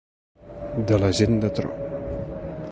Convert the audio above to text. De la gent de tro.